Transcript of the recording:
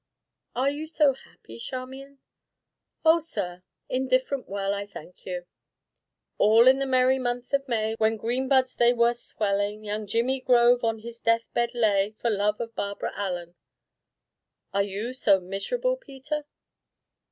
"Are you so happy, Charmian?" "Oh, sir, indifferent well, I thank you. "'All in the merry month of May When green buds they were swellin', Young Jemmy Grove on his death bed lay, For love of Barbara Allen.' "Are you so miserable, Peter?"